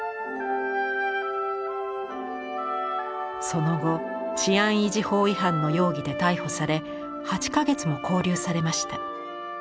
その後治安維持法違反の容疑で逮捕され８か月も勾留されました。